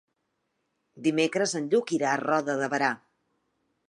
Dimecres en Lluc irà a Roda de Berà.